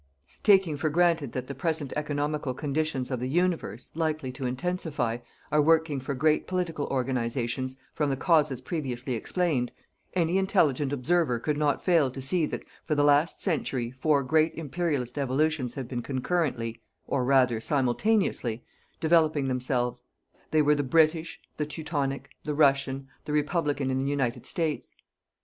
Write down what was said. Taking for granted that the present economical conditions of the universe, likely to intensify, are working for great political organisations, from the causes previously explained, any intelligent observer could not fail to see that for the last century four great imperialist evolutions have been concurrently or rather simultaneously developing themselves; they were the British, the Teutonic, the Russian, the Republican in the United States.